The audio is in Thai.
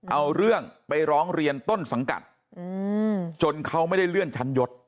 เอาเรื่องไปร้องเรียนต้นสังกัดจนเขาไม่ได้เลื่อนชั้นยศ